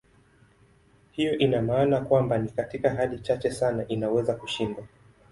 Hiyo ina maana kwamba ni katika hali chache sana inaweza kushindwa.